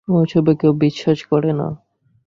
ওসবে কেউ বিশ্বাস করে না।